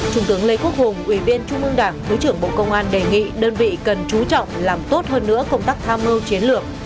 trung tướng lê quốc hùng ủy viên trung ương đảng thứ trưởng bộ công an đề nghị đơn vị cần chú trọng làm tốt hơn nữa công tác tham mưu chiến lược